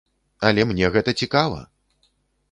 Але мне гэта цікава!